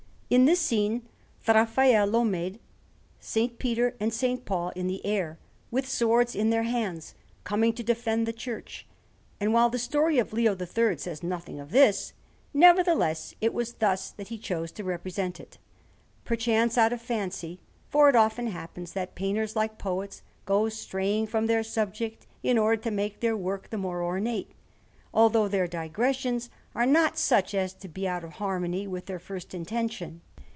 In this scene Raffaello made S. Peter and S. Paul in the air, with swords in their hands, coming to defend the Church; and while the story of Leo III says nothing of this, nevertheless it was thus that he chose to represent it, perchance out of fancy, for it often happens that painters, like poets, go straying from their subject in order to make their work the more ornate, although their digressions are not such as to be out of harmony with their first intention.